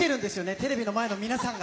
テレビ前の皆さんが。